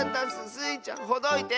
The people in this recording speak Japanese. スイちゃんほどいて！